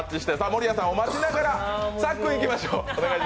守谷さんを待ちながら、さっくんいきましょう。